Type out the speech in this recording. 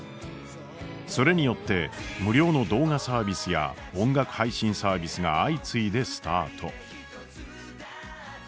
それによって無料の動画サービスや音楽配信サービスが相次いでスタート。